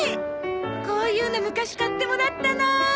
こういうの昔買ってもらったな。